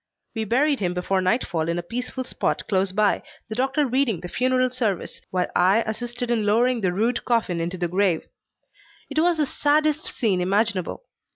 We buried him before nightfall in a peaceful spot close by, the doctor reading the funeral service, while I assisted in lowering the rude coffin into the grave. It was the saddest scene imaginable.